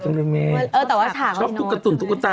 ชอบทุกกระตุ่นทุกกระจานกันเนอะ